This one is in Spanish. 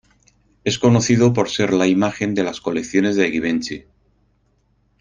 Es conocido por ser la imagen de las colecciones de Givenchy.